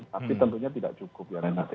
tapi tentunya tidak cukup ya renhar